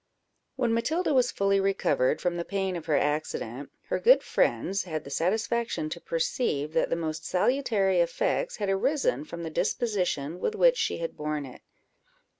When Matilda was fully recovered from the pain of her accident, her good friends had the satisfaction to perceive that the most salutary effects had arisen from the disposition with which she had borne it.